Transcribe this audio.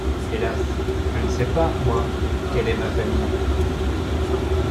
Hélas! je ne sais pas, moi, quelle est ma famille.